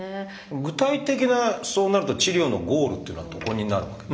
具体的なそうなると治療のゴールっていうのはどこになるわけで？